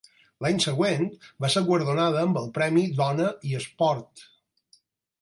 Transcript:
L'any següent va ser guardonada amb el Premi Dona i Esport.